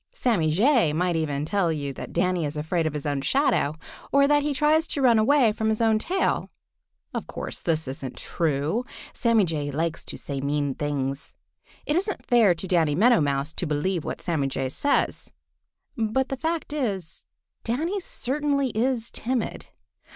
Sammy Jay might even tell you that Danny is afraid of his own shadow, or that he tries to run away from his own tail. Of course this isn't true. Sammy Jay likes to say mean things. It isn't fair to Danny Meadow Mouse to believe what Sammy Jay says. But the fact is Danny certainly is timid.